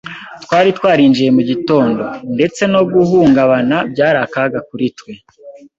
twari twarinjiye mu gitondo. Ndetse no guhungabana byari akaga kuri twe